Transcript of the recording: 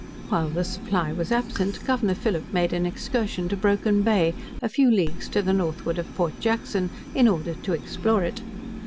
While the 'Supply' was absent, Governor Phillip made an excursion to Broken Bay, a few leagues to the northward of Port Jackson, in order to explore it.